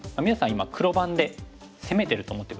今黒番で攻めてると思って下さい。